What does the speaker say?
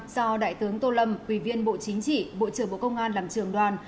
do đại tướng tô lâm ủy viên bộ chính trị bộ trưởng bộ công an làm trường đoàn